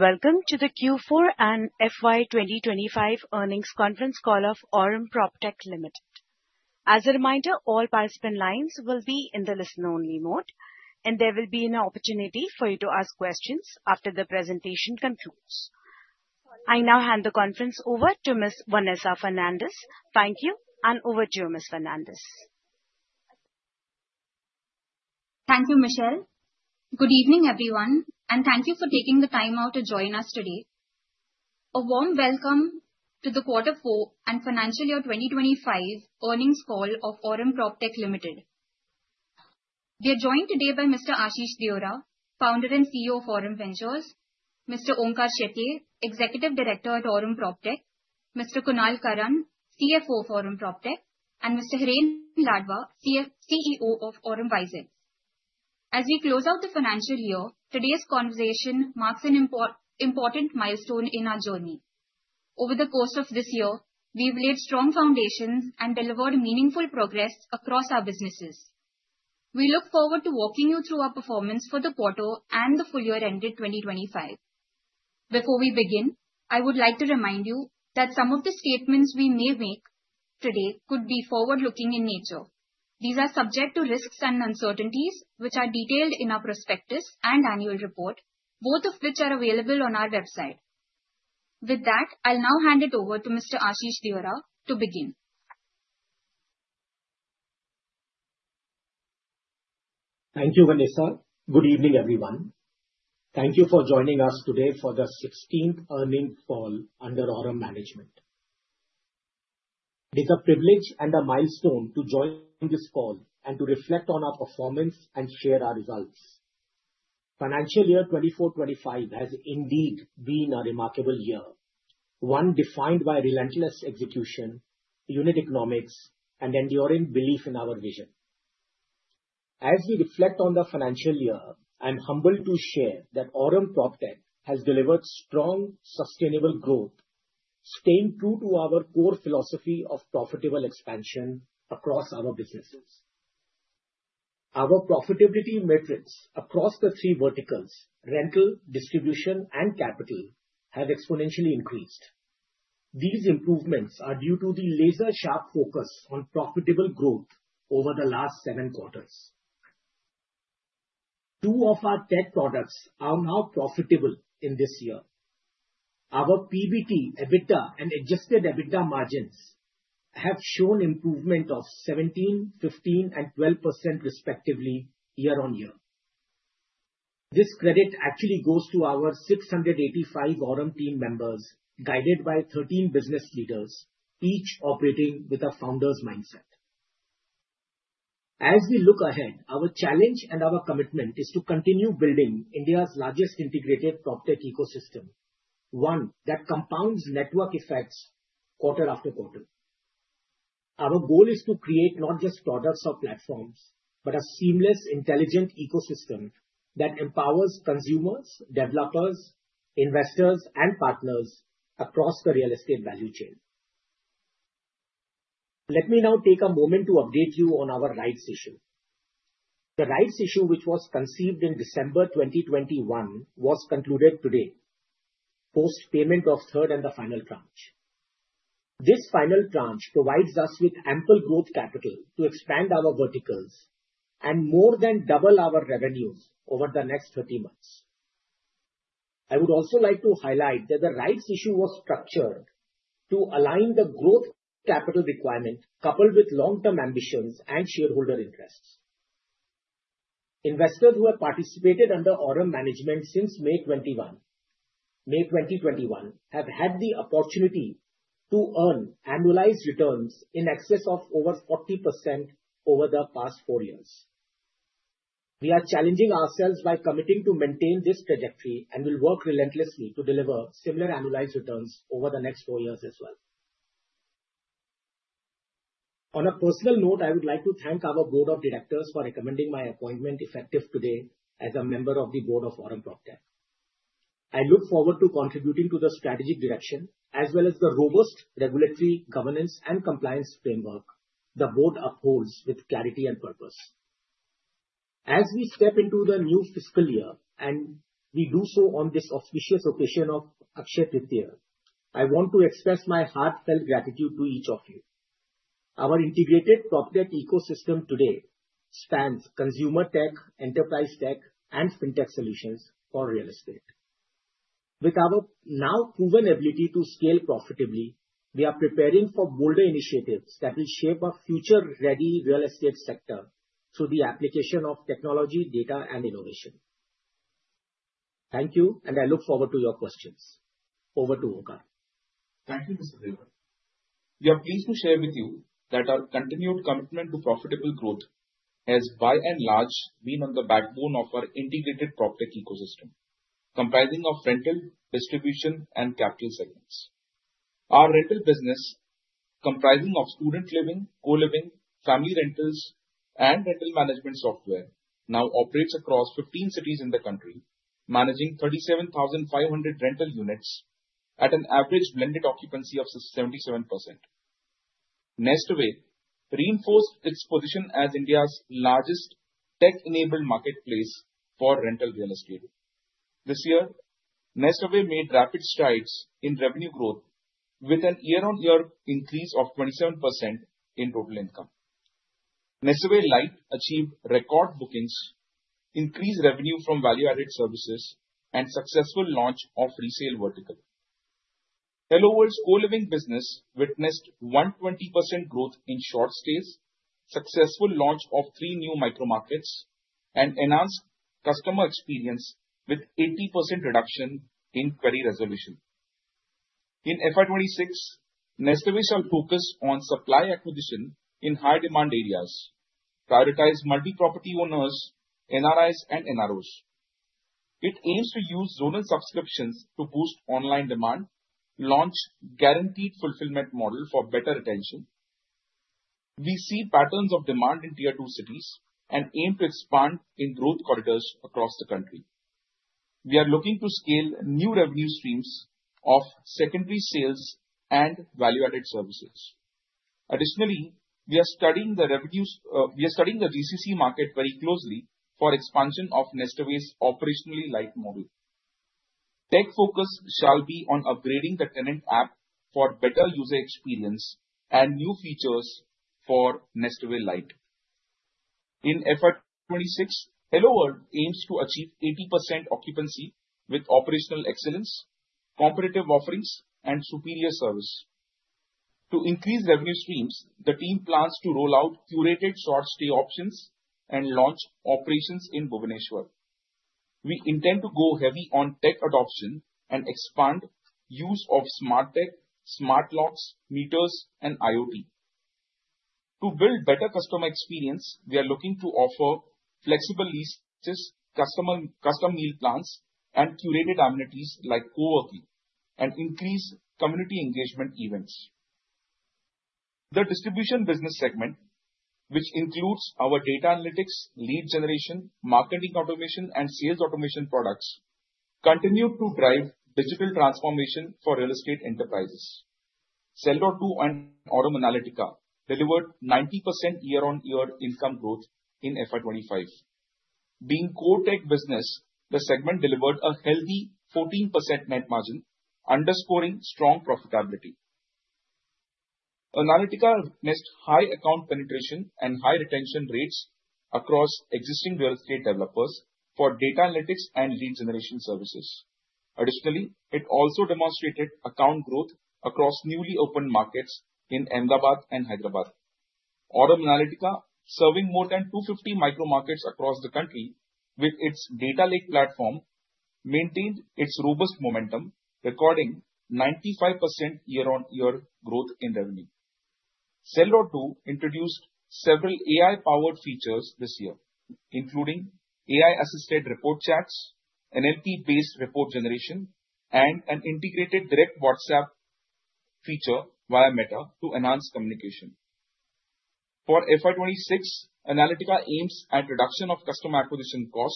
Welcome to the Q4 and FY 2025 earnings conference call of Aurum PropTech Limited. As a reminder, all participant lines will be in the listen-only mode, and there will be an opportunity for you to ask questions after the presentation concludes. I now hand the conference over to Ms. Vanessa Fernandes. Thank you, and over to you, Ms. Fernandes. Thank you, Michelle. Good evening, everyone, and thank you for taking the time out to join us today. A warm welcome to the Q4 and FY 2025 earnings call of Aurum PropTech Limited. We are joined today by Mr. Ashish Deora, Founder and CEO of Aurum Ventures; Mr. Onkar Shetye, Executive Director at Aurum PropTech; Mr. Kunal Karan, CFO of Aurum PropTech; and Mr. Hiren Ladva, CEO of Aurum WiseX. As we close out the financial year, today's conversation marks an important milestone in our journey. Over the course of this year, we've laid strong foundations and delivered meaningful progress across our businesses. We look forward to walking you through our performance for the quarter and the full year ended 2025. Before we begin, I would like to remind you that some of the statements we may make today could be forward-looking in nature. These are subject to risks and uncertainties, which are detailed in our prospectus and annual report, both of which are available on our website. With that, I'll now hand it over to Mr. Ashish Deora to begin. Thank you, Vanessa. Good evening, everyone. Thank you for joining us today for the 16th earnings call under Aurum Management. It is a privilege and a milestone to join this call and to reflect on our performance and share our results. Financial year 2024-2025 has indeed been a remarkable year, one defined by relentless execution, unit economics, and enduring belief in our vision. As we reflect on the financial year, I'm humbled to share that Aurum PropTech has delivered strong, sustainable growth, staying true to our core philosophy of profitable expansion across our businesses. Our profitability metrics across the three verticals—rental, distribution, and capital—have exponentially increased. These improvements are due to the laser-sharp focus on profitable growth over the last seven quarters. Two of our tech products are now profitable in this year. Our PBT, EBITDA, and adjusted EBITDA margins have shown improvement of 17%, 15%, and 12% respectively, year-on-year. This credit actually goes to our 685 Aurum team members, guided by 13 business leaders, each operating with a founder's mindset. As we look ahead, our challenge and our commitment is to continue building India's largest integrated PropTech ecosystem, one that compounds network effects quarter after quarter. Our goal is to create not just products or platforms, but a seamless, intelligent ecosystem that empowers consumers, developers, investors, and partners across the real estate value chain. Let me now take a moment to update you on our rights issue. The rights issue, which was conceived in December 2021, was concluded today, post payment of the third and the final tranche. This final tranche provides us with ample growth capital to expand our verticals and more than double our revenues over the next 30 months. I would also like to highlight that the rights issue was structured to align the growth capital requirement, coupled with long-term ambitions and shareholder interests. Investors who have participated under Aurum Management since May 2021 have had the opportunity to earn annualized returns in excess of 40% over the past four years. We are challenging ourselves by committing to maintain this trajectory and will work relentlessly to deliver similar annualized returns over the next four years as well. On a personal note, I would like to thank our Board of Directors for recommending my appointment effective today as a member of the Board of Aurum PropTech. I look forward to contributing to the strategic direction, as well as the robust regulatory governance and compliance framework the Board upholds with clarity and purpose. As we step into the new fiscal year, and we do so on this auspicious occasion of Akshaya Tritiya, I want to express my heartfelt gratitude to each of you. Our integrated PropTech ecosystem today spans consumer tech, enterprise tech, and fintech solutions for real estate. With our now proven ability to scale profitably, we are preparing for bolder initiatives that will shape our future-ready real estate sector through the application of technology, data, and innovation. Thank you, and I look forward to your questions. Over to Onkar. Thank you, Mr. Deora. We are pleased to share with you that our continued commitment to profitable growth has, by and large, been on the backbone of our integrated PropTech ecosystem, comprising of rental, distribution, and capital segments. Our rental business, comprising of student living, co-living, family rentals, and rental management software, now operates across 15 cities in the country, managing 37,500 rental units at an average blended occupancy of 77%. NestAway reinforced its position as India's largest tech-enabled marketplace for rental real estate. This year, NestAway made rapid strides in revenue growth, with a year-on-year increase of 27% in total income. NestAway Lite achieved record bookings, increased revenue from value-added services, and successful launch of resale vertical. HelloWorld's co-living business witnessed 120% growth in short stays, successful launch of three new micro-markets, and enhanced customer experience with 80% reduction in query resolution. In FY 2026, NestAway shall focus on supply acquisition in high-demand areas, prioritize multi-property owners, NRIs, and NROs. It aims to use zonal subscriptions to boost online demand, launch a guaranteed fulfillment model for better retention. We see patterns of demand in Tier 2 cities and aim to expand in growth corridors across the country. We are looking to scale new revenue streams of secondary sales and value-added services. Additionally, we are studying the GCC market very closely for expansion of NestAway's operationally light model. Tech focus shall be on upgrading the tenant app for better user experience and new features for NestAway Lite. In FY 2026, HelloWorld aims to achieve 80% occupancy with operational excellence, competitive offerings, and superior service. To increase revenue streams, the team plans to roll out curated short-stay options and launch operations in Bhubaneswar. We intend to go heavy on tech adoption and expand use of smart tech, smart locks, meters, and IoT. To build better customer experience, we are looking to offer flexible leases, custom meal plans, and curated amenities like coworking, and increase community engagement events. The distribution business segment, which includes our data analytics, lead generation, marketing automation, and sales automation products, continued to drive digital transformation for real estate enterprises. Sell.Do and Aurum Analytica delivered 90% year-on-year income growth in FY 2025. Being core tech business, the segment delivered a healthy 14% net margin, underscoring strong profitability. Analytica witnessed high account penetration and high retention rates across existing real estate developers for data analytics and lead generation services. Additionally, it also demonstrated account growth across newly opened markets in Ahmedabad and Hyderabad. Aurum Analytica, serving more than 250 micro-markets across the country with its data lake platform, maintained its robust momentum, recording 95% year-on-year growth in revenue. Sell.Do introduced several AI-powered features this year, including AI-assisted report chats, NLP-based report generation, and an integrated direct WhatsApp feature via Meta to enhance communication. For FY 2026, Analytica aims at reduction of customer acquisition cost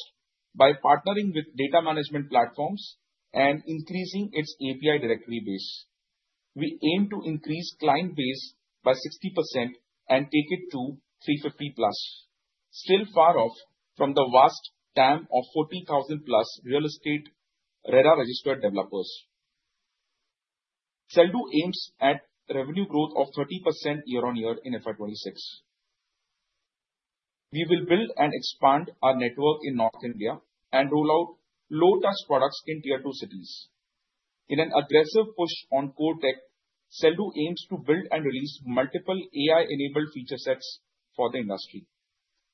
by partnering with data management platforms and increasing its API directory base. We aim to increase client base by 60% and take it to 350 plus, still far off from the vast TAM of 40,000 plus real estate RERA-registered developers. Sell.Do aims at revenue growth of 30% year-on-year in FY 2026. We will build and expand our network in North India and roll out low-touch products in Tier 2 cities. In an aggressive push on core tech, Sell.Do aims to build and release multiple AI-enabled feature sets for the industry.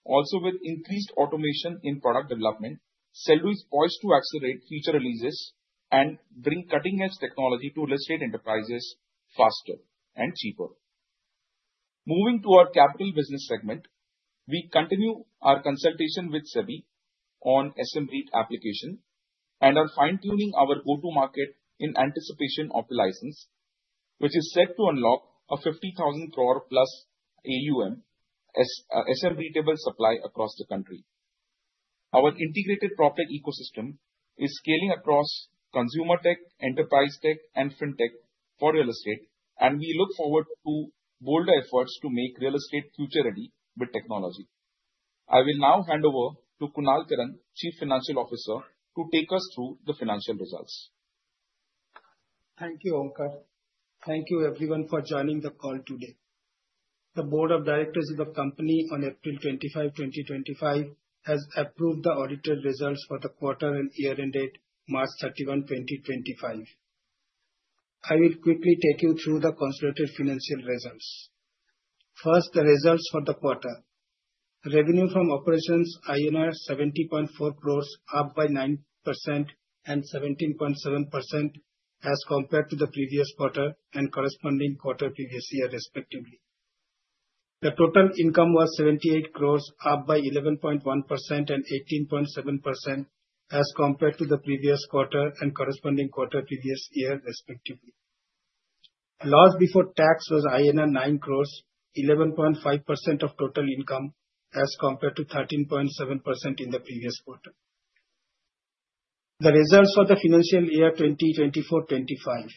Also, with increased automation in product development, Sell.Do is poised to accelerate feature releases and bring cutting-edge technology to real estate enterprises faster and cheaper. Moving to our capital business segment, we continue our consultation with SEBI on SM REIT application and are fine-tuning our go-to-market in anticipation of the license, which is set to unlock an 50,000 crore-plus AUM SM-REIT-able supply across the country. Our integrated PropTech ecosystem is scaling across consumer tech, enterprise tech, and fintech for real estate, and we look forward to bolder efforts to make real estate future-ready with technology. I will now hand over to Kunal Karan, Chief Financial Officer, to take us through the financial results. Thank you, Onkar. Thank you, everyone, for joining the call today. The Board of Directors of the company on April 25, 2025, has approved the audited results for the quarter and year ended March 31, 2025. I will quickly take you through the consolidated financial results. First, the results for the quarter. Revenue from operations INR 70.4 crores, up by 9% and 17.7% as compared to the previous quarter and corresponding quarter previous year, respectively. The total income was 78 crores, up by 11.1% and 18.7% as compared to the previous quarter and corresponding quarter previous year, respectively. Loss before tax was INR 9 crores, 11.5% of total income as compared to 13.7% in the previous quarter. The results for the financial year 2024-2025.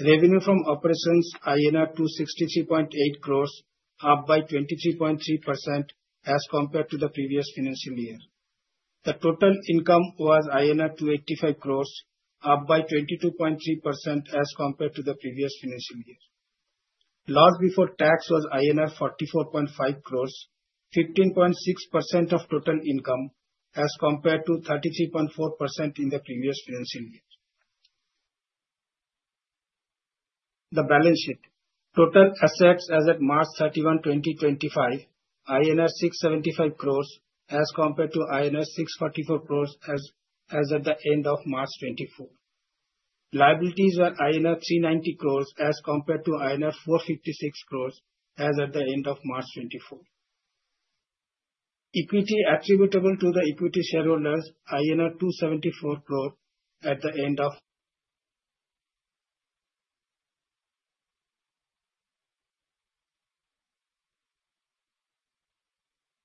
Revenue from operations 263.8 crores, up by 23.3% as compared to the previous financial year. The total income was INR 285 crore, up by 22.3% as compared to the previous financial year. Loss before tax was 44.5 crore, 15.6% of total income as compared to 33.4% in the previous financial year. The balance sheet. Total assets as at March 31, 2025, INR 675 crore as compared to 644 crore INR as at the end of March 2024. Liabilities were INR 390 crore as compared to INR 456 crore as at the end of March 2024. Equity attributable to the equity shareholders, INR 274 crore at the end of.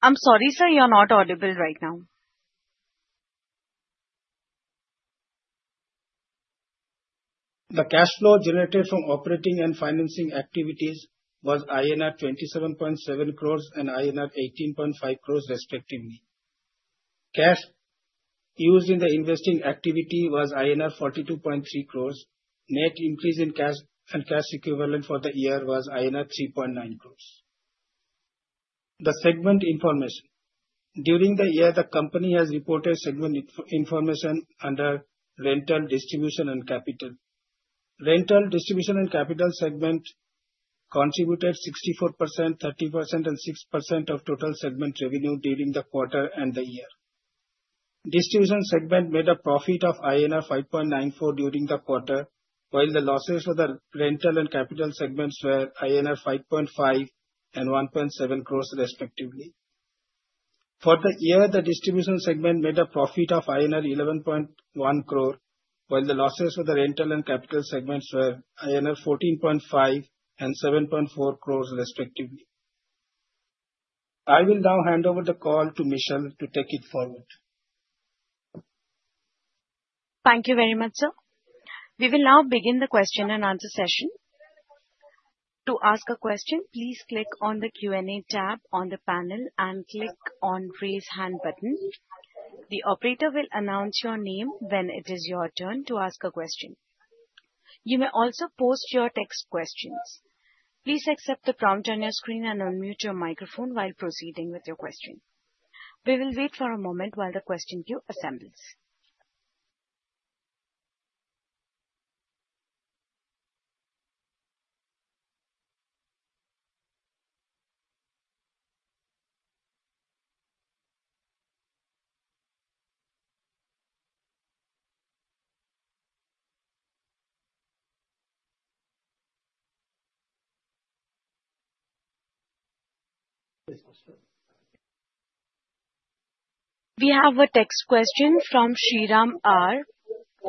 I'm sorry, sir, you're not audible right now. The cash flow generated from operating and financing activities was INR 27.7 crores and INR 18.5 crores, respectively. Cash used in the investing activity was INR 42.3 crores. Net increase in cash and cash equivalent for the year was INR 3.9 crores. The segment information. During the year, the company has reported segment information under rental, distribution, and capital. Rental, distribution, and capital segment contributed 64%, 30%, and 6% of total segment revenue during the quarter and the year. Distribution segment made a profit of INR 5.94 crores during the quarter, while the losses for the rental and capital segments were INR 5.5 and 1.7 crores, respectively. For the year, the distribution segment made a profit of INR 11.1 crores, while the losses for the rental and capital segments were INR 14.5 and 7.4 crores, respectively. I will now hand over the call to Michelle to take it forward. Thank you very much, sir. We will now begin the question and answer session. To ask a question, please click on the Q&A tab on the panel and click on the Raise Hand button. The operator will announce your name when it is your turn to ask a question. You may also post your text questions. Please accept the prompt on your screen and unmute your microphone while proceeding with your question. We will wait for a moment while the question queue assembles. We have a text question from Sriram R.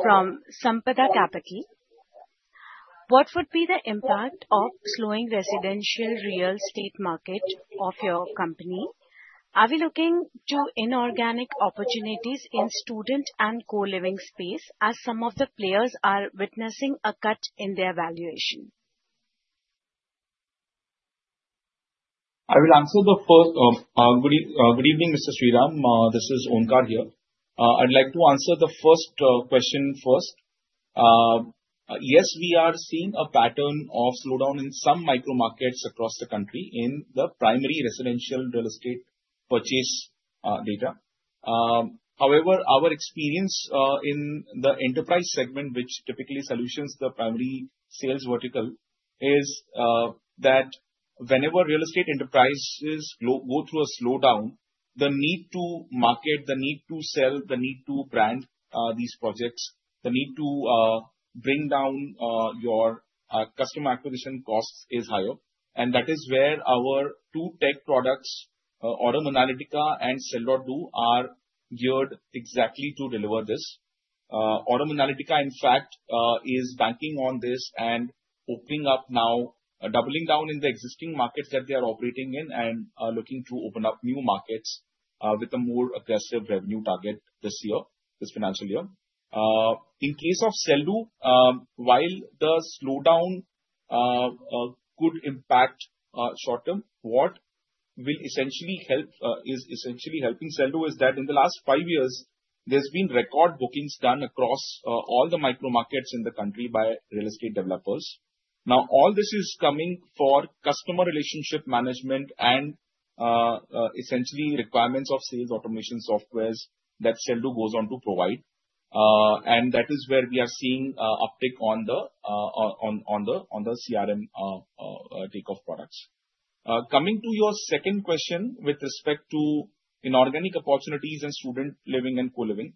from Sampada Capital. What would be the impact of slowing residential real estate market of your company? Are we looking to inorganic opportunities in student and co-living space as some of the players are witnessing a cut in their valuation? I will answer the first. Good evening, Mr. Sriram. This is Onkar here. I'd like to answer the first question first. Yes, we are seeing a pattern of slowdown in some micro-markets across the country in the primary residential real estate purchase data. However, our experience in the enterprise segment, which typically solutions the primary sales vertical, is that whenever real estate enterprises go through a slowdown, the need to market, the need to sell, the need to brand these projects, the need to bring down your customer acquisition costs is higher. That is where our two tech products, Aurum Analytica and Sell.Do, are geared exactly to deliver this. Aurum Analytica, in fact, is banking on this and opening up now, doubling down in the existing markets that they are operating in and looking to open up new markets with a more aggressive revenue target this year, this financial year. In case of Sell.Do, while the slowdown could impact short-term, what will essentially help is essentially helping Sell.Do is that in the last five years, there's been record bookings done across all the micro-markets in the country by real estate developers. Now, all this is coming for customer relationship management and essentially requirements of sales automation softwares that Sell.Do goes on to provide. That is where we are seeing an uptick on the CRM takeoff products. Coming to your second question with respect to inorganic opportunities and student living and co-living,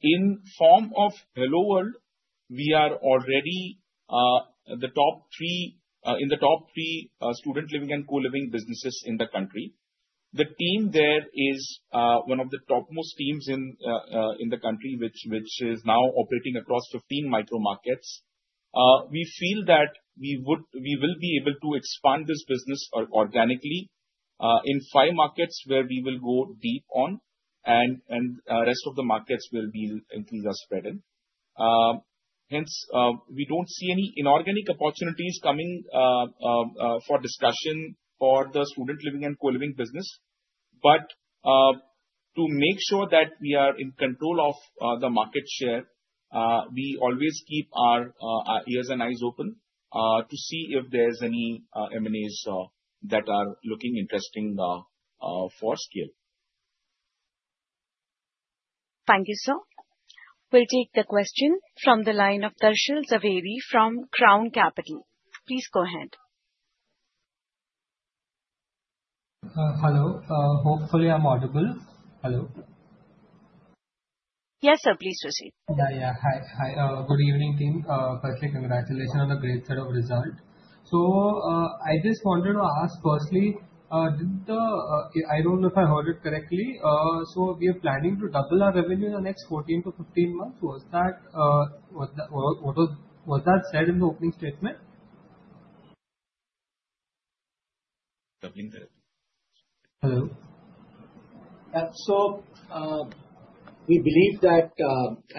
in form of HelloWorld, we are already in the top three student living and co-living businesses in the country. The team there is one of the topmost teams in the country, which is now operating across 15 micro-markets. We feel that we will be able to expand this business organically in five markets where we will go deep on, and the rest of the markets will be increased or spread in. Hence, we do not see any inorganic opportunities coming for discussion for the student living and co-living business. To make sure that we are in control of the market share, we always keep our ears and eyes open to see if there are any M&As that are looking interesting for scale. Thank you, sir. We'll take the question from the line of Darshil Jhaveri from Crown Capital. Please go ahead. Hello. Hopefully, I'm audible. Hello. Yes, sir. Please proceed. Yeah, yeah. Hi. Good evening, team. Firstly, congratulations on a great set of results. I just wanted to ask, firstly, I do not know if I heard it correctly. We are planning to double our revenue in the next 14-15 months. Was that said in the opening statement? Doubling the revenue. Hello. Yeah. We believe that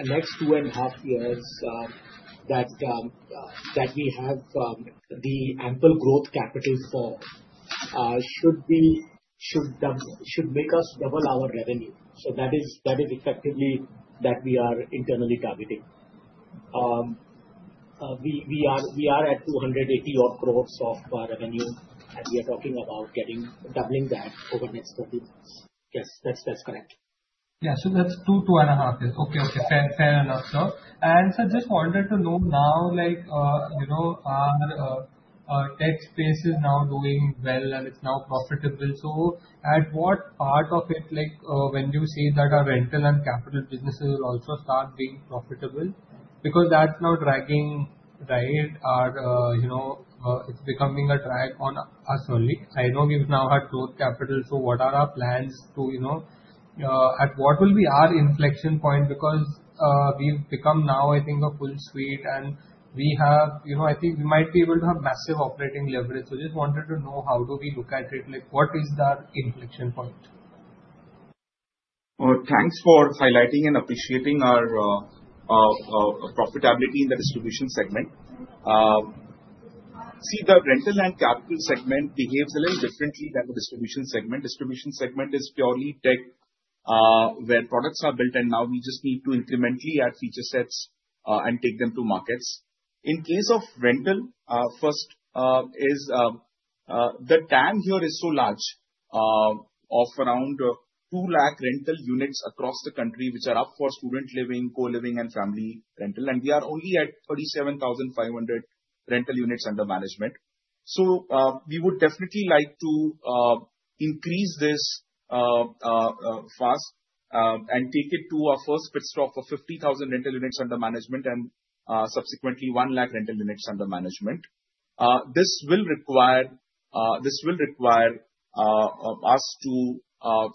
next two and a half years that we have the ample growth capital should make us double our revenue. That is effectively what we are internally targeting. We are at 280 crore of revenue, and we are talking about doubling that over the next 14 months. Yes, that's correct. Yeah. That's two, two and a half years. Okay, okay. Fair enough, sir. I just wanted to know, our tech space is now doing well, and it's now profitable. At what part of it, when you say that our rental and capital businesses will also start being profitable? Because that's now dragging, right? It's becoming a drag on us only. I know we've now had growth capital. What are our plans to, at what will be our inflection point? Because we've become now, I think, a full suite, and we have, I think, we might be able to have massive operating leverage. I just wanted to know how do we look at it? What is the inflection point? Thanks for highlighting and appreciating our profitability in the distribution segment. See, the rental and capital segment behaves a little differently than the distribution segment. The distribution segment is purely tech where products are built, and now we just need to incrementally add feature sets and take them to markets. In case of rental, first is the TAM here is so large of around 200,000 rental units across the country, which are up for student living, co-living, and family rental. We are only at 37,500 rental units under management. We would definitely like to increase this fast and take it to our first pit stop of 50,000 rental units under management and subsequently 100,000 rental units under management. This will require us to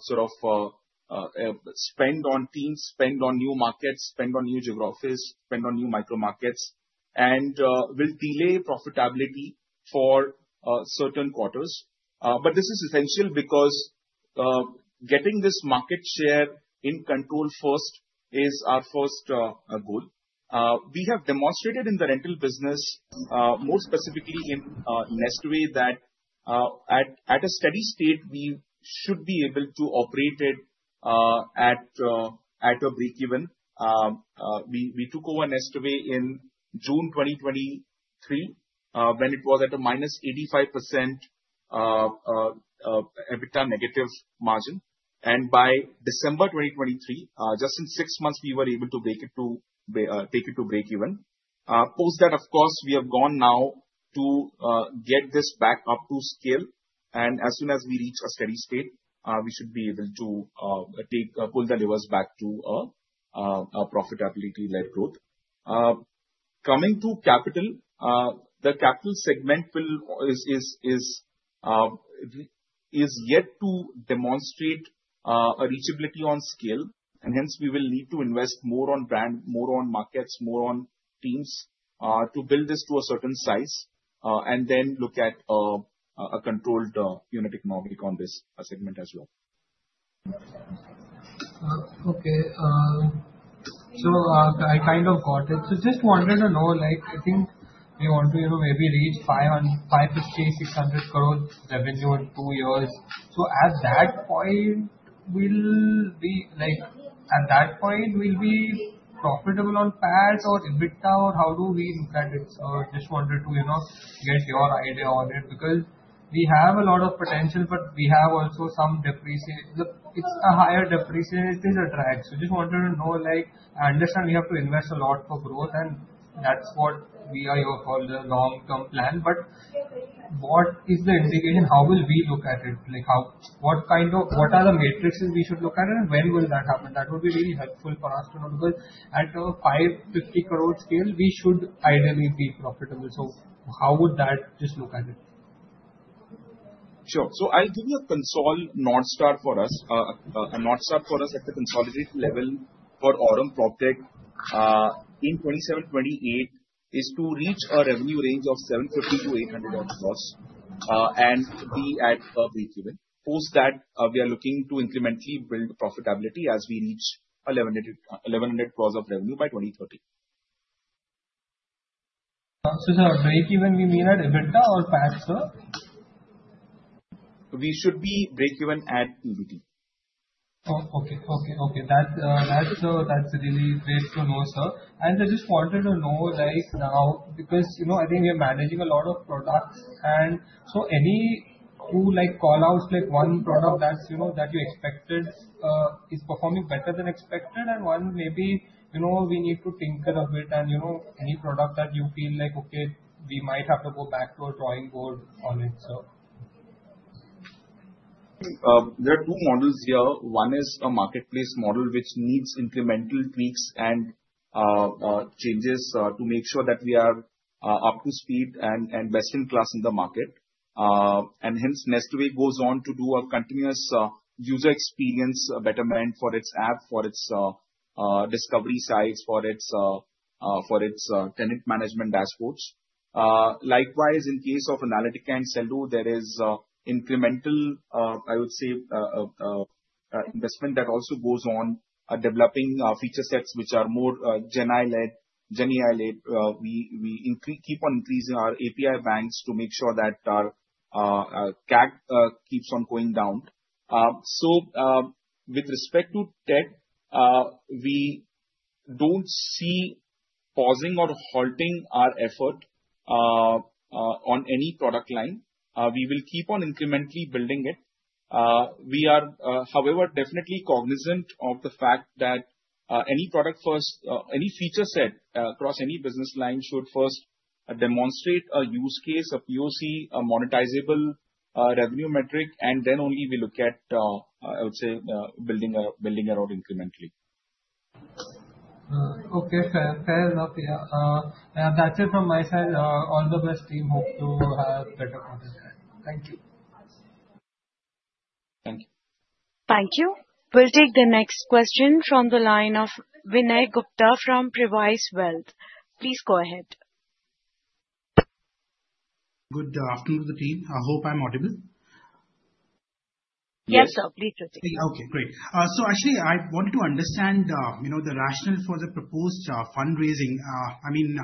sort of spend on teams, spend on new markets, spend on new geographies, spend on new micro-markets, and will delay profitability for certain quarters. This is essential because getting this market share in control first is our first goal. We have demonstrated in the rental business, more specifically in NestAway, that at a steady state, we should be able to operate it at a break-even. We took over NestAway in June 2023 when it was at a minus 85% EBITDA negative margin. By December 2023, just in six months, we were able to take it to break-even. Post that, of course, we have gone now to get this back up to scale. As soon as we reach a steady state, we should be able to pull the levers back to profitability-led growth. Coming to capital, the capital segment is yet to demonstrate a reachability on scale. Hence, we will need to invest more on brand, more on markets, more on teams to build this to a certain size, and then look at a controlled unit economic on this segment as well. Okay. I kind of got it. I just wanted to know, I think we want to maybe reach INR 550 crore-INR 600 crore revenue in two years. At that point, will we be profitable on PAT or EBITDA, or how do we look at it? I just wanted to get your idea on it because we have a lot of potential, but we also have some depreciation. It's a higher depreciation. It is a drag. I just wanted to know, I understand we have to invest a lot for growth, and that's what we are here for, the long-term plan. What is the indication? How will we look at it? What are the matrices we should look at, and when will that happen? That would be really helpful for us to know because at 550 crore scale, we should ideally be profitable. How would that just look at it? Sure. I will give you a consolidated non-star for us. A non-star for us at the consolidated level for Aurum PropTech in 2027-2028 is to reach a revenue range of INR 7.5 billion-INR 8 billion and be at a break-even. Post that, we are looking to incrementally build profitability as we reach 11 billion of revenue by 2030. Break-even, we mean at EBITDA or PAT, sir? We should be break-even at EBITDA. Oh, okay. Okay. Okay. That's really great to know, sir. I just wanted to know because I think we are managing a lot of products. Any two callouts, one product that you expected is performing better than expected, and one maybe we need to tinker a bit. Any product that you feel like, okay, we might have to go back to a drawing board on it, sir. There are two models here. One is a marketplace model, which needs incremental tweaks and changes to make sure that we are up to speed and best in class in the market. Hence, NestAway goes on to do a continuous user experience betterment for its app, for its discovery sites, for its tenant management dashboards. Likewise, in case of Analytica and Sell.Do, there is incremental, I would say, investment that also goes on developing feature sets which are more Gen AI-led. We keep on increasing our API banks to make sure that our CAC keeps on going down. With respect to tech, we do not see pausing or halting our effort on any product line. We will keep on incrementally building it. We are, however, definitely cognizant of the fact that any product first, any feature set across any business line should first demonstrate a use case, a POC, a monetizable revenue metric, and then only we look at, I would say, building our incrementally. Okay. Fair enough, yeah. That's it from my side. All the best, team. Hope to have better product. Thank you. Thank you. Thank you. We'll take the next question from the line of Vinay Gupta from Previse Wealth. Please go ahead. Good afternoon, team. I hope I'm audible. Yes, sir. Please proceed. Okay. Great. Actually, I wanted to understand the rationale for the proposed fundraising. I mean,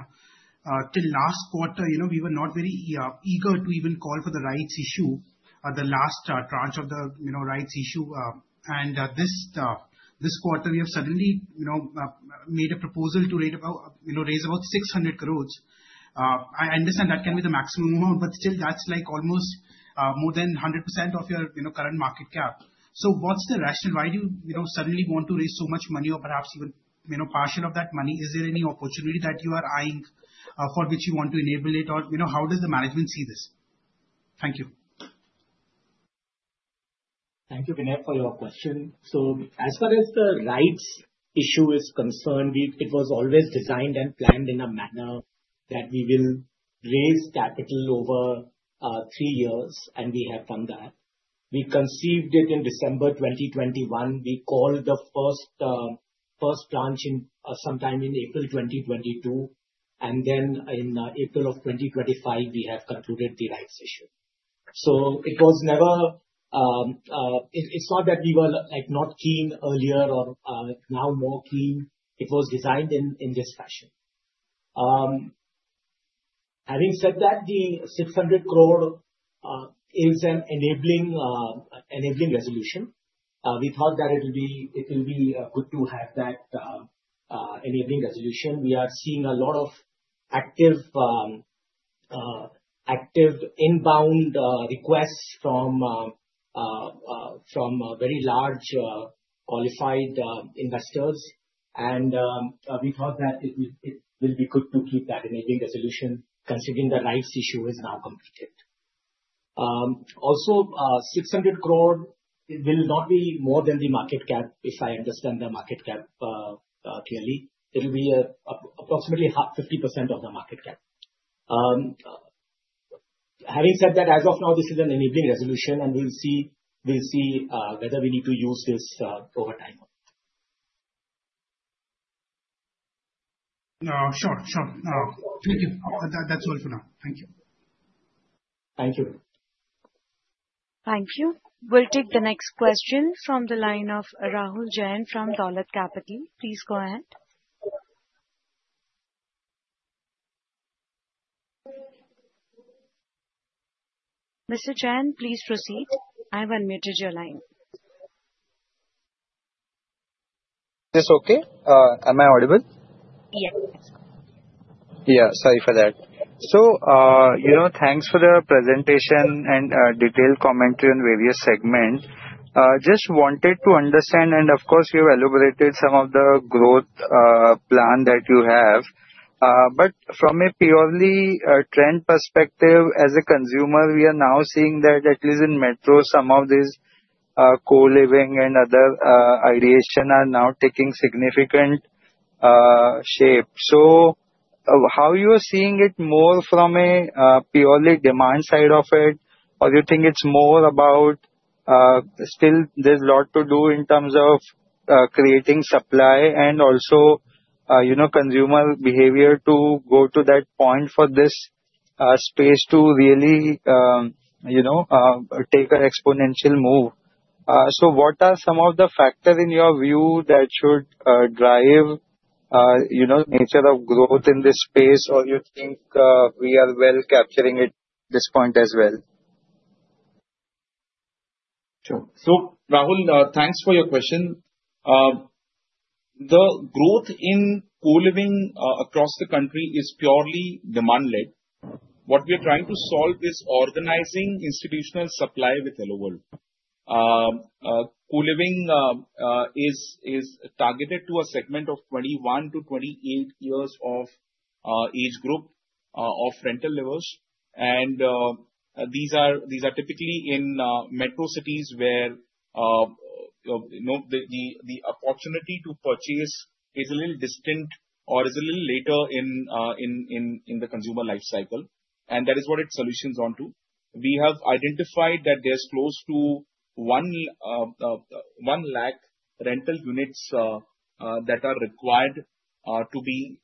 till last quarter, we were not very eager to even call for the rights issue, the last tranche of the rights issue. This quarter, we have suddenly made a proposal to raise about 600 crore. I understand that can be the maximum amount, but still, that's almost more than 100% of your current market cap. What's the rationale? Why do you suddenly want to raise so much money or perhaps even partial of that money? Is there any opportunity that you are eyeing for which you want to enable it? How does the management see this? Thank you. Thank you, Vinay, for your question. As far as the rights issue is concerned, it was always designed and planned in a manner that we will raise capital over three years, and we have done that. We conceived it in December 2021. We called the first tranche sometime in April 2022. In April of 2025, we have concluded the rights issue. It was never that we were not keen earlier or now more keen. It was designed in this fashion. Having said that, the 600 crore is an enabling resolution. We thought that it will be good to have that enabling resolution. We are seeing a lot of active inbound requests from very large qualified investors. We thought that it will be good to keep that enabling resolution considering the rights issue is now completed. Also, 600 crore will not be more than the market cap, if I understand the market cap clearly. It will be approximately 50% of the market cap. Having said that, as of now, this is an enabling resolution, and we'll see whether we need to use this over time. No. Sure. Sure. No. Thank you. That's all for now. Thank you. Thank you. Thank you. We'll take the next question from the line of Rahul Jain from Dolat Capital. Please go ahead. Mr. Jain, please proceed. I've unmuted your line. It's okay. Am I audible? Yes. Yeah. Sorry for that. Thanks for the presentation and detailed commentary on various segments. Just wanted to understand, and of course, you've elaborated some of the growth plan that you have. From a purely trend perspective, as a consumer, we are now seeing that, at least in metros, some of these co-living and other ideation are now taking significant shape. How are you seeing it more from a purely demand side of it, or do you think it's more about still there's a lot to do in terms of creating supply and also consumer behavior to go to that point for this space to really take an exponential move? What are some of the factors in your view that should drive the nature of growth in this space, or do you think we are well capturing it at this point as well? Sure. Rahul, thanks for your question. The growth in co-living across the country is purely demand-led. What we are trying to solve is organizing institutional supply with HelloWorld. Co-living is targeted to a segment of 21-28 years of age group of rental levels. These are typically in metro cities where the opportunity to purchase is a little distant or is a little later in the consumer lifecycle. That is what it solutions onto. We have identified that there is close to 1 million rental units that are required to be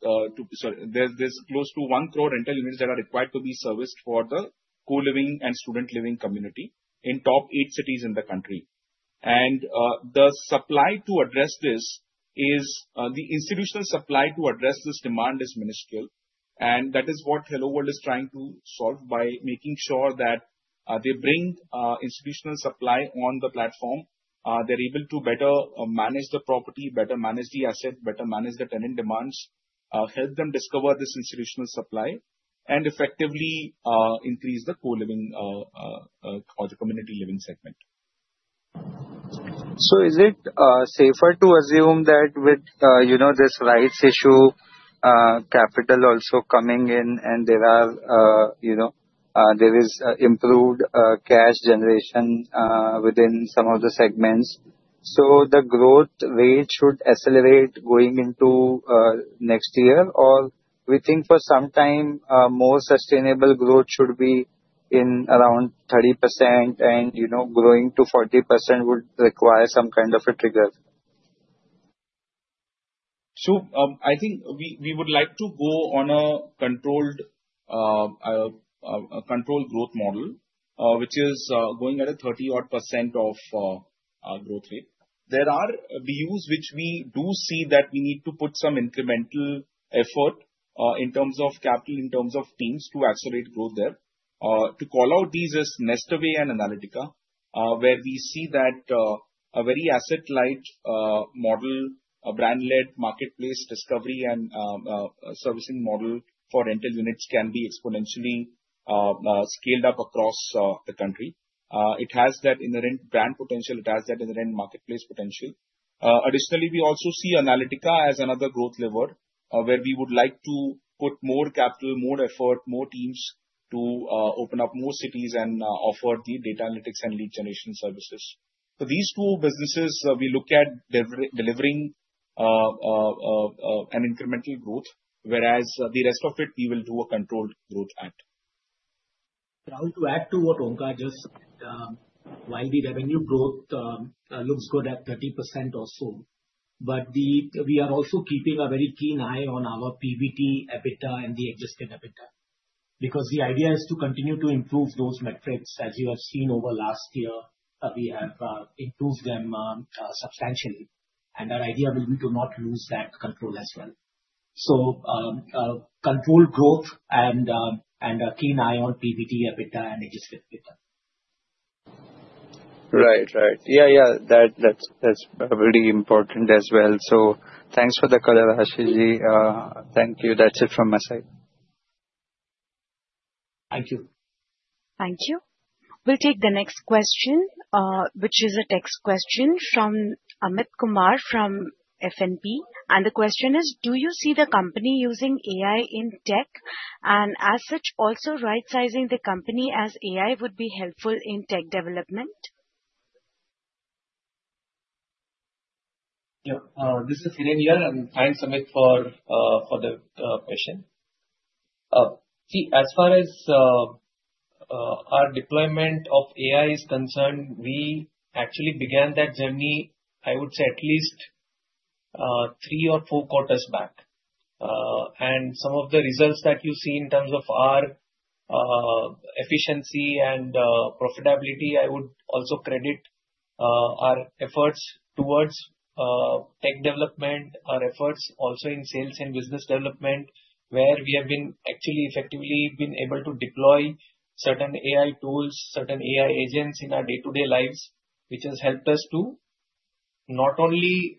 serviced for the co-living and student living community in the top eight cities in the country. The institutional supply to address this demand is minuscule. That is what HelloWorld is trying to solve by making sure that they bring institutional supply on the platform. They are able to better manage the property, better manage the asset, better manage the tenant demands, help them discover this institutional supply, and effectively increase the co-living or the community living segment. Is it safer to assume that with this rights issue, capital also coming in, and there is improved cash generation within some of the segments, the growth rate should accelerate going into next year? Or we think for some time, more sustainable growth should be in around 30%, and growing to 40% would require some kind of a trigger? I think we would like to go on a controlled growth model, which is going at a 30% growth rate. There are BUs which we do see that we need to put some incremental effort in terms of capital, in terms of teams to accelerate growth there. To call out these is NestAway and Analytica, where we see that a very asset-light model, a brand-led marketplace discovery and servicing model for rental units can be exponentially scaled up across the country. It has that inherent brand potential. It has that inherent marketplace potential. Additionally, we also see Analytica as another growth lever, where we would like to put more capital, more effort, more teams to open up more cities and offer the data analytics and lead generation services. These two businesses, we look at delivering an incremental growth, whereas the rest of it, we will do a controlled growth at. Rahul, to add to what Onkar just said, while the revenue growth looks good at 30% or so, we are also keeping a very keen eye on our PBT, EBITDA, and the adjusted EBITDA because the idea is to continue to improve those metrics. As you have seen over last year, we have improved them substantially. Our idea will be to not lose that control as well. Controlled growth and a keen eye on PBT, EBITDA, and adjusted EBITDA. Right. Right. Yeah. Yeah. That's very important as well. Thanks for the color, Ashish Deora. Thank you. That's it from my side. Thank you. Thank you. We'll take the next question, which is a text question from Amit Kumar from F&P. The question is, do you see the company using AI in tech? As such, also right-sizing the company as AI would be helpful in tech development? Yeah. This is Hiren here. Thanks, Amit, for the question. See, as far as our deployment of AI is concerned, we actually began that journey, I would say, at least three or four quarters back. Some of the results that you see in terms of our efficiency and profitability, I would also credit our efforts towards tech development, our efforts also in sales and business development, where we have been actually effectively been able to deploy certain AI tools, certain AI agents in our day-to-day lives, which has helped us to not only,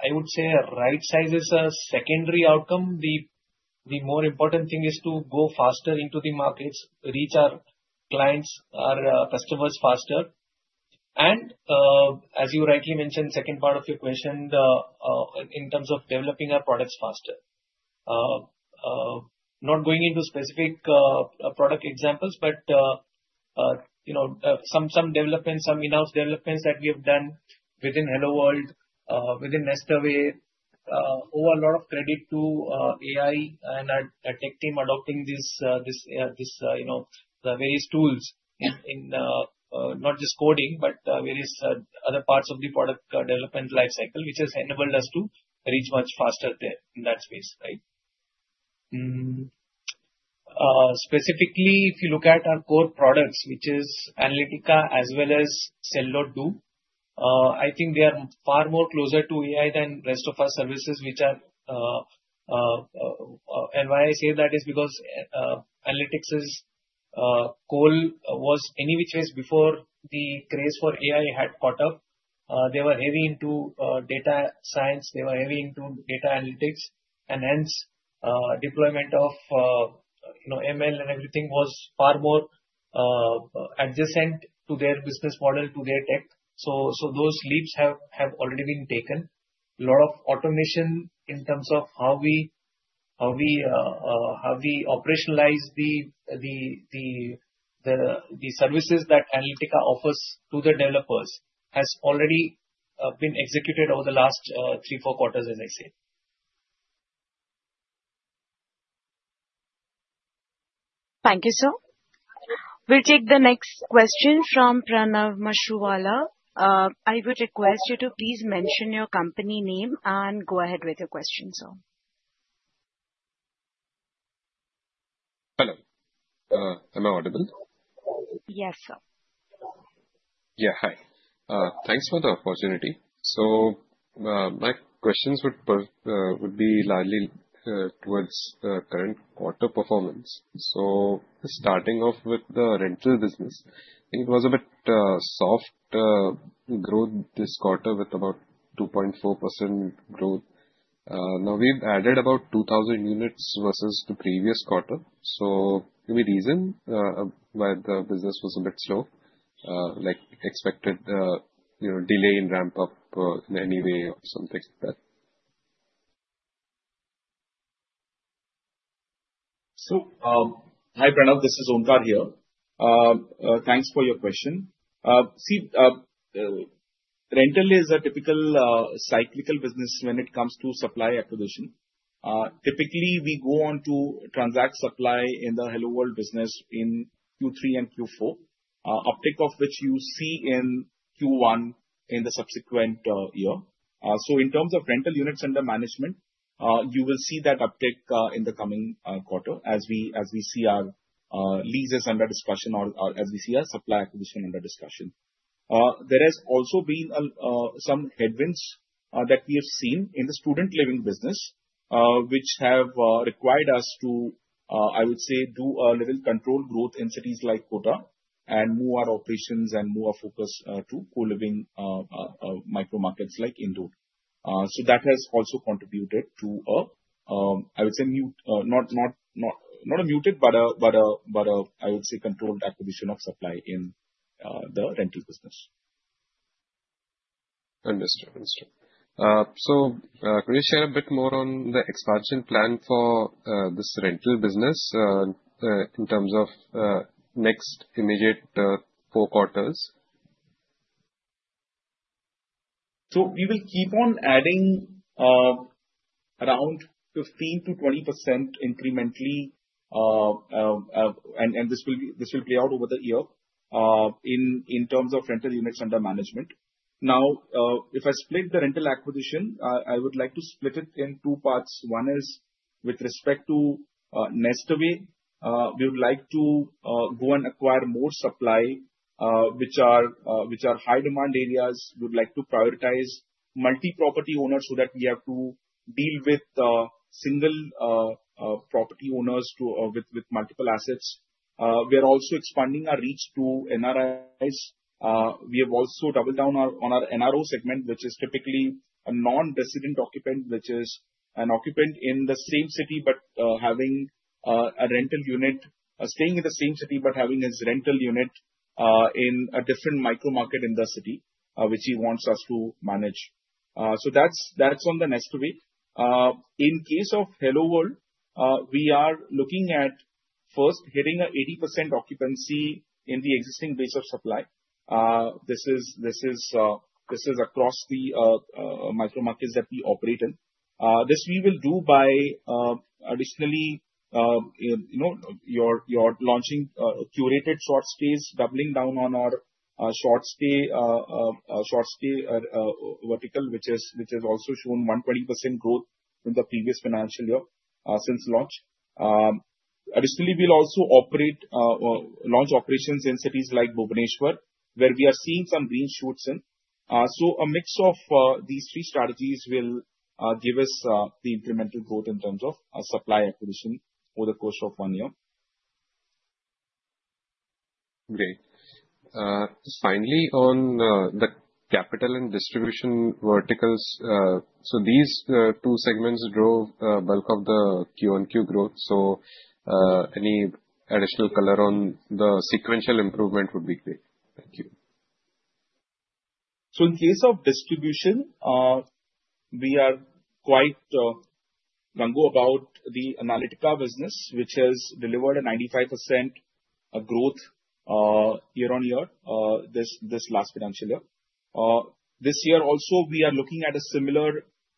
I would say, right-size is a secondary outcome. The more important thing is to go faster into the markets, reach our clients, our customers faster. As you rightly mentioned, second part of your question, in terms of developing our products faster. Not going into specific product examples, but some developments, some in-house developments that we have done within HelloWorld, within NestAway, owe a lot of credit to AI and our tech team adopting the various tools in not just coding, but various other parts of the product development lifecycle, which has enabled us to reach much faster there in that space, right? Specifically, if you look at our core products, which is Analytica as well as Sell.Do, I think they are far more closer to AI than the rest of our services, which are why I say that is because Analytica is core, was any which ways before the craze for AI had caught up. They were heavy into data science. They were heavy into data analytics. And hence, deployment of ML and everything was far more adjacent to their business model, to their tech. Those leaps have already been taken. A lot of automation in terms of how we operationalize the services that Analytica offers to the developers has already been executed over the last three or four quarters, as I said. Thank you, sir. We'll take the next question from Pranav Mashruwala. I would request you to please mention your company name and go ahead with your question, sir. Hello. Am I audible? Yes, sir. Yeah. Hi. Thanks for the opportunity. My questions would be largely towards the current quarter performance. Starting off with the rental business, I think it was a bit soft growth this quarter with about 2.4% growth. Now, we've added about 2,000 units versus the previous quarter. There may be a reason why the business was a bit slow, like expected delay in ramp-up in any way or something like that. Hi, Pranav. This is Onkar here. Thanks for your question. See, rental is a typical cyclical business when it comes to supply acquisition. Typically, we go on to transact supply in the HelloWorld business in Q3 and Q4, uptake of which you see in Q1 in the subsequent year. In terms of rental units under management, you will see that uptake in the coming quarter as we see our leases under discussion or as we see our supply acquisition under discussion. There has also been some headwinds that we have seen in the student living business, which have required us to, I would say, do a little controlled growth in cities like Kota and move our operations and move our focus to co-living micro markets like Indore. That has also contributed to, I would say, not a muted, but a, I would say, controlled acquisition of supply in the rental business. Understood. Understood. Could you share a bit more on the expansion plan for this rental business in terms of next immediate four quarters? We will keep on adding around 15%-20% incrementally, and this will play out over the year in terms of rental units under management. Now, if I split the rental acquisition, I would like to split it in two parts. One is with respect to NestAway. We would like to go and acquire more supply, which are high-demand areas. We would like to prioritize multi-property owners so that we have to deal with single property owners with multiple assets. We are also expanding our reach to NRIs. We have also doubled down on our NRO segment, which is typically a non-resident occupant, which is an occupant in the same city but having a rental unit, staying in the same city but having his rental unit in a different micro market in the city, which he wants us to manage. That is on the NestAway. In case of HelloWorld, we are looking at first hitting an 80% occupancy in the existing base of supply. This is across the micro markets that we operate in. This we will do by additionally launching curated short stays, doubling down on our short stay vertical, which has also shown 120% growth in the previous financial year since launch. Additionally, we will also launch operations in cities like Bhubaneswar, where we are seeing some green shoots in. A mix of these three strategies will give us the incremental growth in terms of supply acquisition over the course of one year. Great. Finally, on the capital and distribution verticals, these two segments drove bulk of the Q1Q growth. Any additional color on the sequential improvement would be great. Thank you. In case of distribution, we are quite bullish about the Analytica business, which has delivered a 95% growth year on year this last financial year. This year also, we are looking at a similar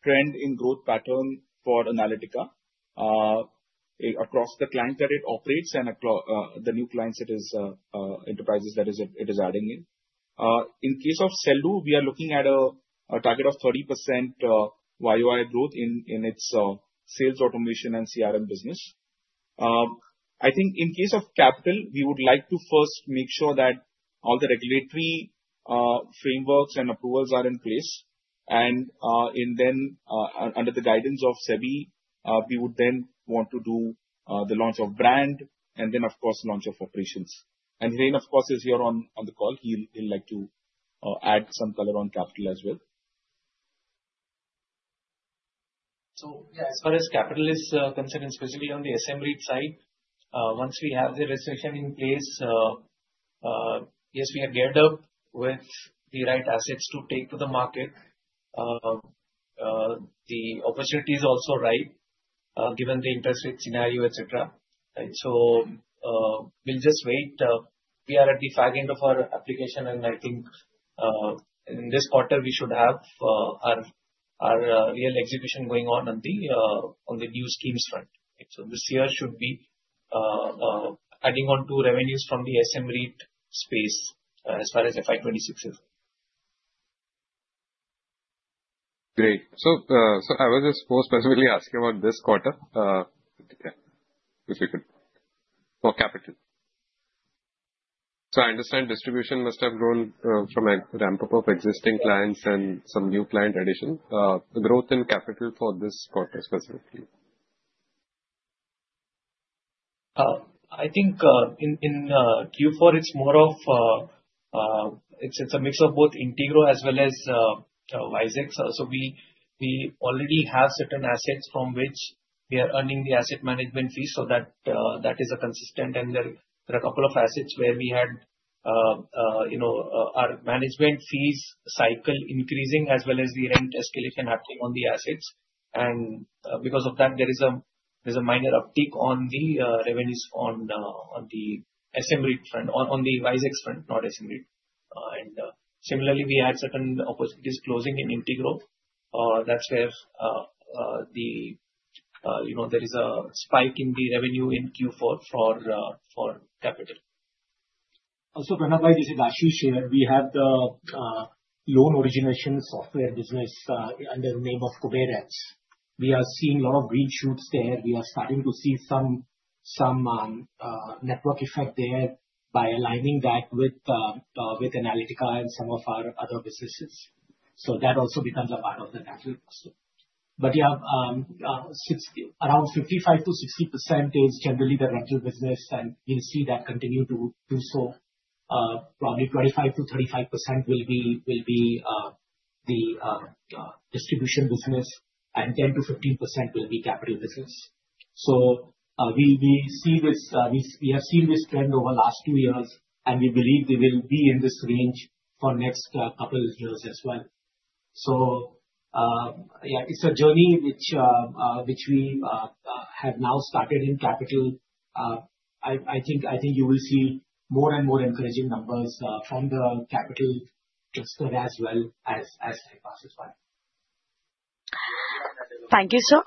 trend in growth pattern for Analytica across the clients that it operates and the new clients, that is enterprises, that it is adding in. In case of Sell.Do, we are looking at a target of 30% year on year growth in its sales automation and CRM business. I think in case of capital, we would like to first make sure that all the regulatory frameworks and approvals are in place. Under the guidance of SEBI, we would then want to do the launch of brand and then, of course, launch of operations. Hiren, of course, is here on the call. He'll like to add some color on capital as well. Yeah, as far as capital is concerned, specifically on the SM-REIT side, once we have the resolution in place, yes, we have geared up with the right assets to take to the market. The opportunity is also right given the interest rate scenario, etc. We'll just wait. We are at the fag end of our application, and I think in this quarter, we should have our real execution going on on the new schemes front. This year should be adding on to revenues from the SM-REIT space as far as FI 2026. Great. I was just specifically asking about this quarter, if you could, for capital. I understand distribution must have grown from a ramp-up of existing clients and some new client addition. The growth in capital for this quarter specifically? I think in Q4, it's more of it's a mix of both Integrow as well as WiseX. We already have certain assets from which we are earning the asset management fee. That is consistent. There are a couple of assets where we had our management fees cycle increasing as well as the rent escalation happening on the assets. Because of that, there is a minor uptick on the revenues on the WiseX front, not SM-REIT. Similarly, we had certain opportunities closing in Integrow. That's where there is a spike in the revenue in Q4 for capital. Also, Pranav, like I said, Ashish shared, we have the loan origination software business under the name of KuberX. We are seeing a lot of green shoots there. We are starting to see some network effect there by aligning that with Analytica and some of our other businesses. That also becomes a part of the network also. Yeah, around 55-60% is generally the rental business, and we'll see that continue to do so. Probably 25-35% will be the distribution business, and 10-15% will be capital business. We have seen this trend over the last two years, and we believe they will be in this range for the next couple of years as well. It's a journey which we have now started in capital. I think you will see more and more encouraging numbers from the capital cluster as well as SM-REIT as well. Thank you, sir.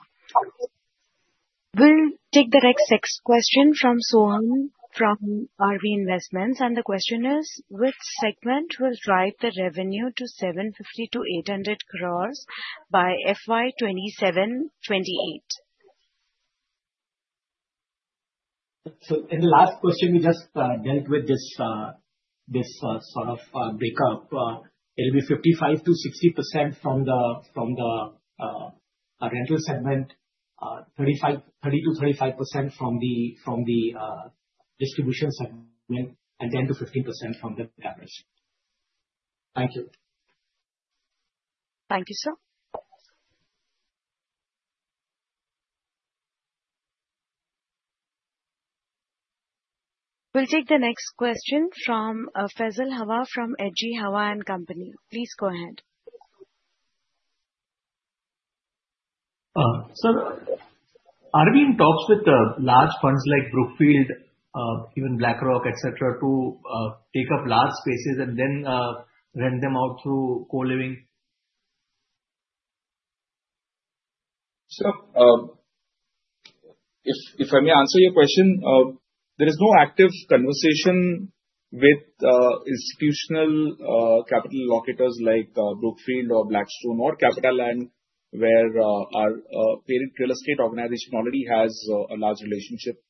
We'll take the next question from Soham from RV Investments. The question is, which segment will drive the revenue to 750 crore-800 crore by FY 2027-2028? In the last question, we just dealt with this sort of breakup. It'll be 55-60% from the rental segment, 30-35% from the distribution segment, and 10-15% from the average. Thank you. Thank you, sir. We'll take the next question from Faisal Hawa from H.G. Hawa & Co. Please go ahead. Sir, are we in talks with large funds like Brookfield, even BlackRock, etc., to take up large spaces and then rent them out through co-living? Sir, if I may answer your question, there is no active conversation with institutional capital locators like Brookfield or Blackstone or CapitaLand, where our parent real estate organization already has a large relationship.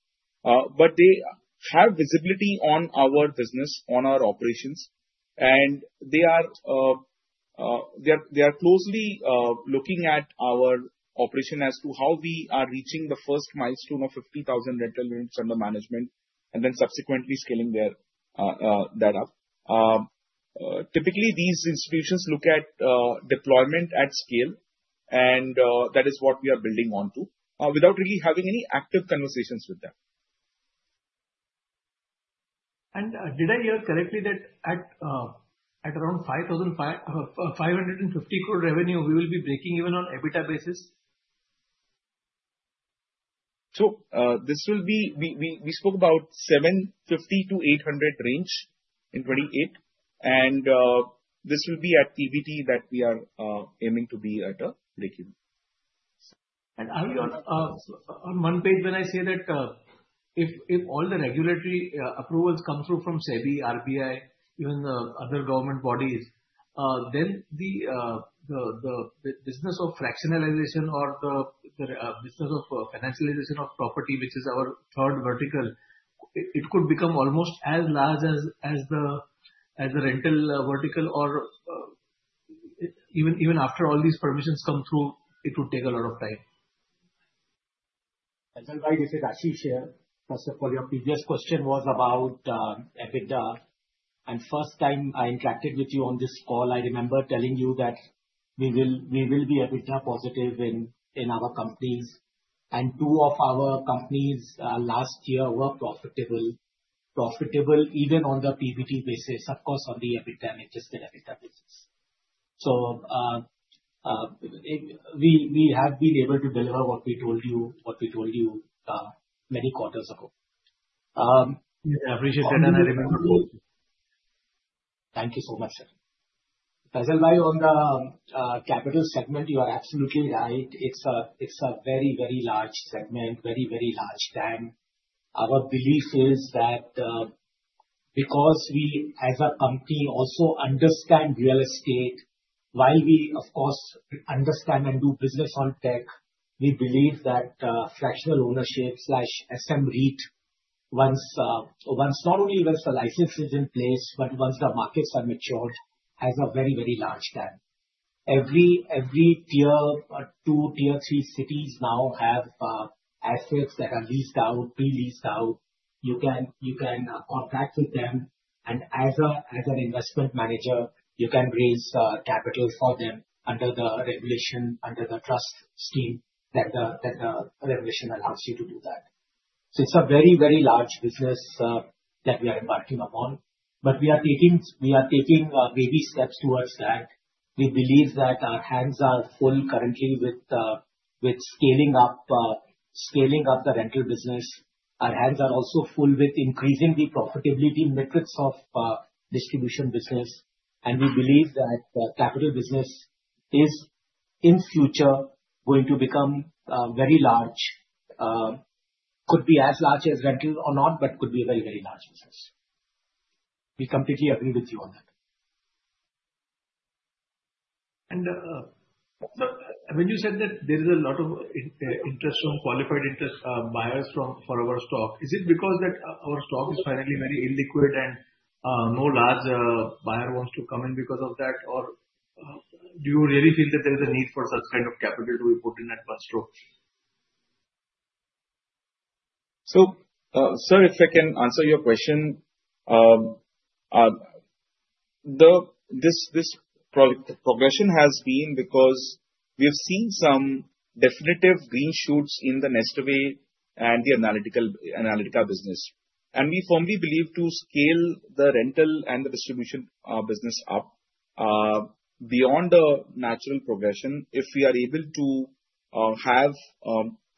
They have visibility on our business, on our operations. They are closely looking at our operation as to how we are reaching the first milestone of 50,000 rental units under management and then subsequently scaling that up. Typically, these institutions look at deployment at scale, and that is what we are building onto without really having any active conversations with them. Did I hear correctly that at around 550 crore revenue, we will be breaking even on EBITDA basis? We spoke about 750-800 range in 2028, and this will be at EBITDA that we are aiming to be at a breakeven. On one page, when I say that if all the regulatory approvals come through from SEBI, RBI, even the other government bodies, the business of fractionalization or the business of financialization of property, which is our third vertical, it could become almost as large as the rental vertical. Even after all these permissions come through, it would take a lot of time. Faisal, this is Ashish here. First of all, your previous question was about EBITDA. The first time I interacted with you on this call, I remember telling you that we will be EBITDA positive in our companies. Two of our companies last year were profitable, even on the PBT basis, of course, on the EBITDA and interested EBITDA basis. We have been able to deliver what we told you many quarters ago. I appreciate that, and I remember. Thank you so much, sir. Faisal, on the capital segment, you are absolutely right. It's a very, very large segment, very, very large TAM. Our belief is that because we as a company also understand real estate, while we, of course, understand and do business on tech, we believe that fractional ownership/SM REIT, once not only once the license is in place, but once the markets are matured, has a very, very large TAM. Every tier two, tier three cities now have assets that are leased out, pre-leased out. You can contract with them. As an investment manager, you can raise capital for them under the regulation, under the trust scheme that the regulation allows you to do that. It is a very, very large business that we are embarking upon. We are taking baby steps towards that. We believe that our hands are full currently with scaling up the rental business. Our hands are also full with increasing the profitability metrics of distribution business. We believe that the capital business is, in future, going to become very large, could be as large as rental or not, but could be a very, very large business. We completely agree with you on that. When you said that there is a lot of interest from qualified interest buyers for our stock, is it because that our stock is finally very illiquid and no large buyer wants to come in because of that? Do you really feel that there is a need for such kind of capital to be put in at one stroke? Sir, if I can answer your question, this progression has been because we have seen some definitive green shoots in the NestAway and the Analytica business. We firmly believe to scale the rental and the distribution business up beyond the natural progression. If we are able to have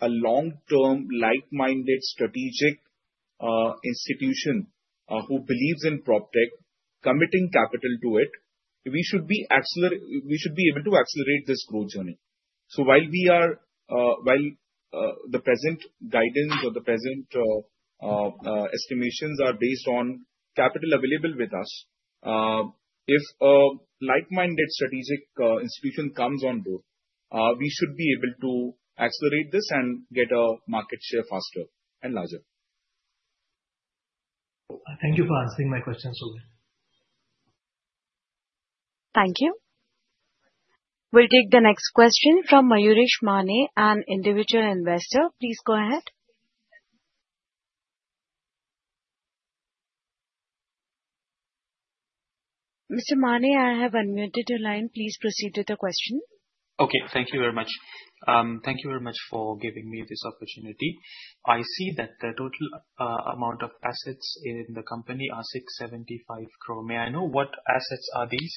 a long-term, like-minded, strategic institution who believes in PropTech, committing capital to it, we should be able to accelerate this growth journey. While the present guidance or the present estimations are based on capital available with us, if a like-minded strategic institution comes on board, we should be able to accelerate this and get a market share faster and larger. Thank you for answering my question, Soham. Thank you. We'll take the next question from Mayuresh Mane, an individual investor. Please go ahead. Mr. Mane, I have unmuted your line. Please proceed with the question. Okay. Thank you very much. Thank you very much for giving me this opportunity. I see that the total amount of assets in the company are 675 crore. May I know what assets are these?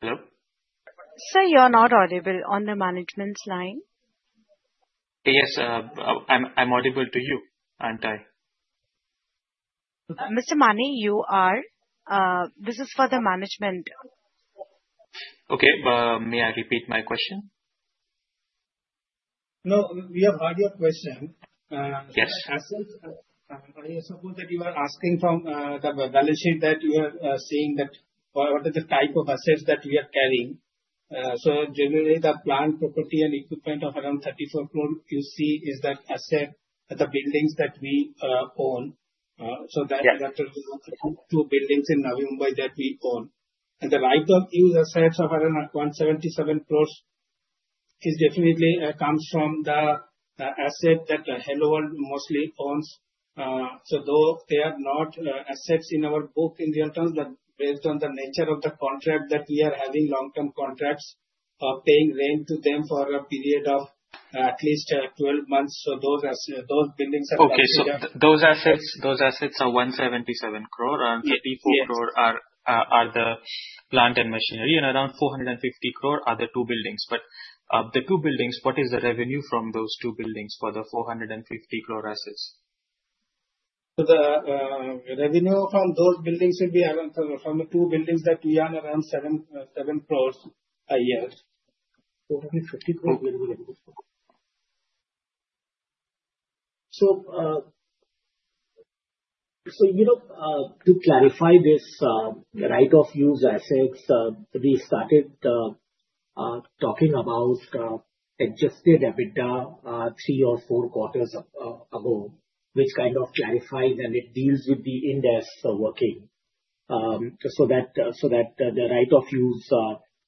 Hello? Sir, you are not audible on the management's line. Yes, I'm audible to you, aren't I? Mr. Mane, you are. This is for the management. Okay. May I repeat my question? No, we have heard your question. Yes. Assets, I suppose that you are asking from the balance sheet that you are saying that what are the type of assets that we are carrying? Generally, the plant property and equipment of around 34 crore, you see, is that asset at the buildings that we own. That is two buildings in Navi Mumbai that we own. The right of use assets of around 177 crore definitely comes from the asset that HelloWorld mostly owns. Though they are not assets in our book in real terms, based on the nature of the contract that we are having, long-term contracts of paying rent to them for a period of at least 12 months, those buildings are the assets. Okay. Those assets are 177 crore, around 34 crore are the plant and machinery, and around 450 crore are the two buildings. The two buildings, what is the revenue from those two buildings for the 450 crore assets? The revenue from those buildings will be around from the two buildings that we are around INR 7 crore a year. To clarify this right of use assets, we started talking about adjusted EBITDA three or four quarters ago, which kind of clarifies and it deals with the index working so that the right of use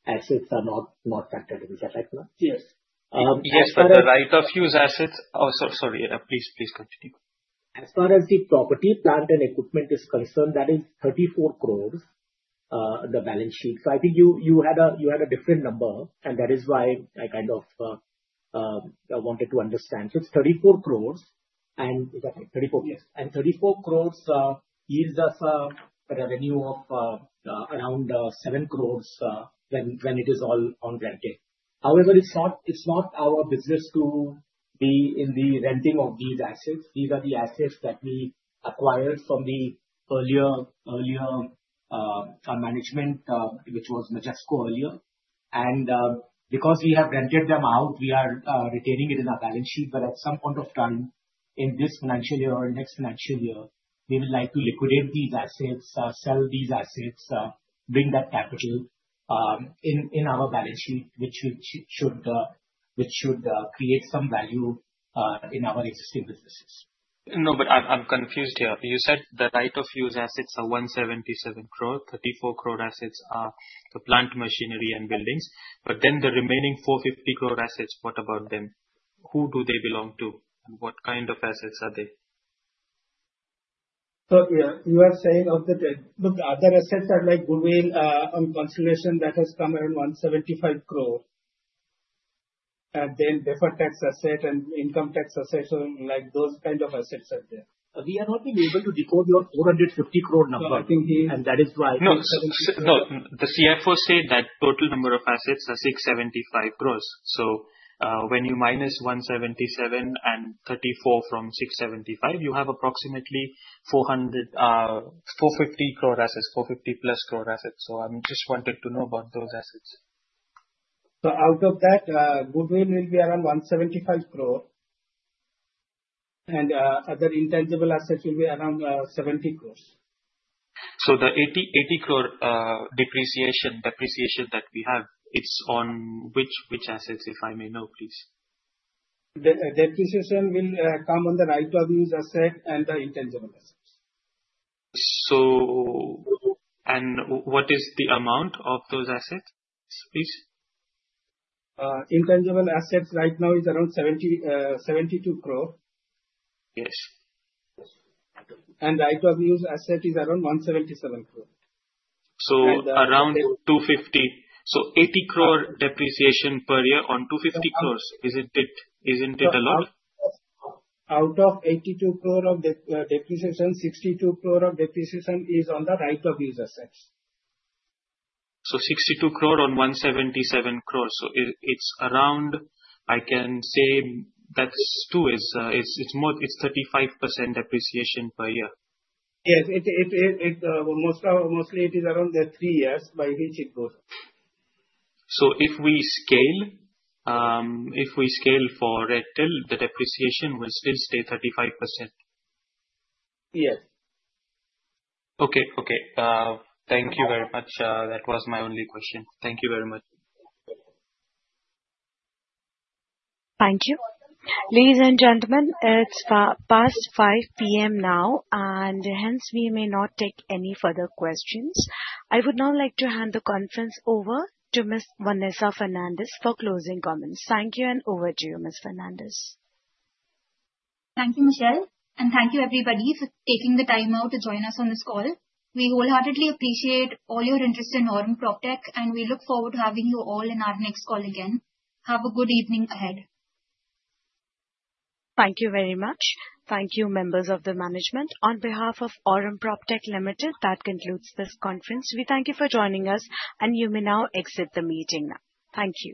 assets are not factored in. Is that right? Yes. Yes, but the right of use assets, oh, sorry. Please continue. As far as the property, plant and equipment is concerned, that is 34 crore on the balance sheet. I think you had a different number, and that is why I kind of wanted to understand. It is 34 crore. 34 crore yields us a revenue of around 7 crore when it is all on renting. However, it is not our business to be in the renting of these assets. These are the assets that we acquired from the earlier management, which was Majesco earlier. Because we have rented them out, we are retaining it in our balance sheet. At some point of time in this financial year or next financial year, we would like to liquidate these assets, sell these assets, bring that capital in our balance sheet, which should create some value in our existing businesses. No, but I'm confused here. You said the right of use assets are 177 crore. 34 crore assets are the plant, machinery, and buildings. Then the remaining 450 crore assets, what about them? Who do they belong to? What kind of assets are they? You are saying the other assets are like goodwill on consolidation that has come around 175 crore. Then deferred tax asset and income tax assets, those kind of assets are there. We are not being able to decode your 450 crore number. I think he is. That is why. No, the CFO said that total number of assets are 675 crore. When you minus 177 crore and 34 crore from 675 crore, you have approximately 450 crore assets, 450 plus crore assets. I just wanted to know about those assets. Out of that, goodwill will be around 175 crore, and other intangible assets will be around 70 crore. The 80 crore depreciation, depreciation that we have, it's on which assets, if I may know, please? Depreciation will come on the right of use asset and the intangible assets. What is the amount of those assets, please? Intangible assets right now is around 720 million. Yes. Right of use asset is around 177 crore. Around 250. So 80 crore depreciation per year on 250 crores, isn't it a lot? Out of 820 million of depreciation, 620 million of depreciation is on the right of use assets. Sixty-two crore on one hundred seventy-seven crore. It's around, I can say that's two. It's 35% depreciation per year. Yes. Mostly, it is around the three years by which it goes. If we scale, if we scale for rental, the depreciation will still stay 35%? Yes. Okay. Okay. Thank you very much. That was my only question. Thank you very much. Thank you. Ladies and gentlemen, it's past 5:00 P.M. now, and hence, we may not take any further questions. I would now like to hand the conference over to Ms. Vanessa Fernandes for closing comments. Thank you, and over to you, Ms. Fernandes. Thank you, Michelle. Thank you, everybody, for taking the time out to join us on this call. We wholeheartedly appreciate all your interest in Aurum PropTech, and we look forward to having you all in our next call again. Have a good evening ahead. Thank you very much. Thank you, members of the management. On behalf of Aurum PropTech Limited, that concludes this conference. We thank you for joining us, and you may now exit the meeting. Thank you.